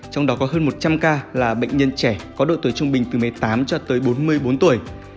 trong đó có hơn một trăm linh ca là bệnh nhân trẻ có độ tuổi trung bình từ một mươi tám cho tới bốn mươi bốn tuổi